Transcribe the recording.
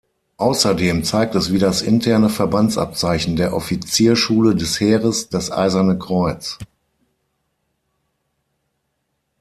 Außerdem zeigt es wie das interne Verbandsabzeichen der Offizierschule des Heeres das Eiserne Kreuz.